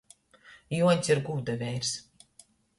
Juoņs ir gūda veirs.